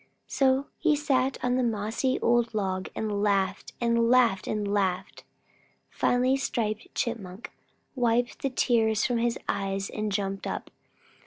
So he sat on the mossy old log and laughed and laughed and laughed. Finally Striped Chipmunk wiped the tears from his eyes and jumped up.